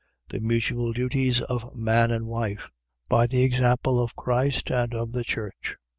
The mutual duties of man and wife, by the example of Christ and of the Church.